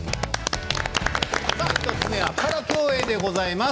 １つめはパラ競泳でございます。